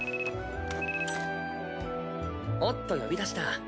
おっと呼び出しだ。